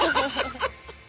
ハハハハハ！